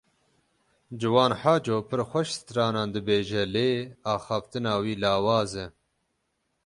Ciwan Haco pir xweş stranan dibêje lê axaftina wî lawaz e.